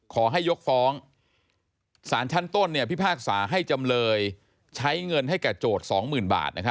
ขอให้ยกฟ้องสารชั้นต้นพิพากษาให้จำเลยใช้เงินให้แก่โจทย์๒๐๐๐บาท